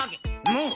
もう！